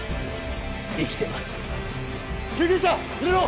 生きてます救急車入れろ！